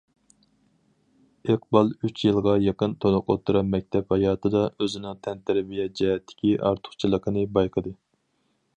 ئىقبال ئۈچ يىلغا يېقىن تولۇق ئوتتۇرا مەكتەپ ھاياتىدا ئۆزىنىڭ تەنتەربىيە جەھەتتىكى ئارتۇقچىلىقىنى بايقىدى.